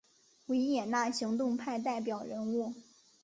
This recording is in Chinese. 维也纳行动派代表人物。